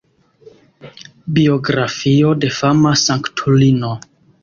Biografio de fama sanktulino.